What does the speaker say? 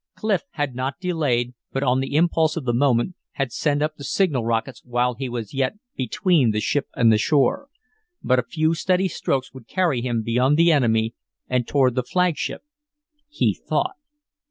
Clif had not delayed, but on the impulse of the moment had sent up the signal rockets while he was yet between the ship and the shore. But a few steady strokes would carry him beyond the enemy and toward the flagship, he thought.